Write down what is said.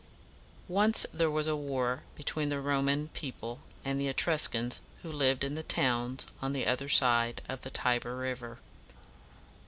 Once there was a war between the Roman people and the E trus´cans who lived in the towns on the other side of the Ti ber River.